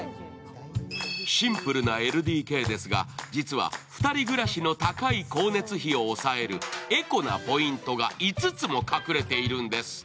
シンプルなＬＤＫですが、実は２人暮らしの高い光熱費を抑えるエコなポイントが５つも隠れているんです。